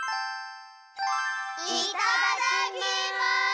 いただきます！